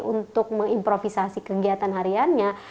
untuk mengimprovisasi kegiatan hariannya